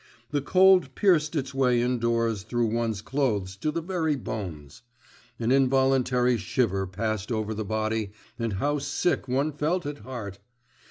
The cold pierced its way indoors through one's clothes to the very bones. An involuntary shiver passed over the body, and how sick one felt at heart!